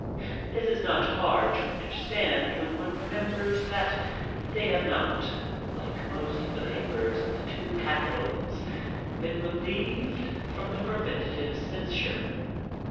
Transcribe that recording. This it is not hard to understand when one remembers that they have not (like most of the p^^ers of the two capitals), been relieved from the preventive censure.